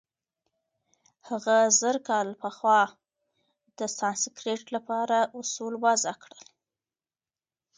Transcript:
هغه زرکال پخوا د سانسکریت له پاره اوصول وضع کړل.